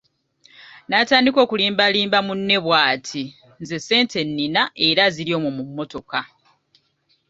N'atandika okulimbalimba munne bw'ati:"nze ssente nina era ziri omwo mu mmotoka"